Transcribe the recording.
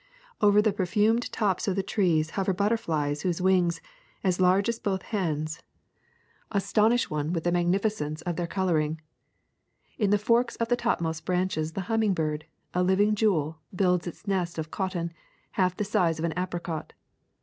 Over the per fumed tops of the trees hover butterflies whose wings, as large as both hands, astonish one with the magnifi COFFEE 175 cence of their coloring. In the forks of the topmost branches the humming bird, a living jewel, builds its nest of cotton, half the size of an apricot.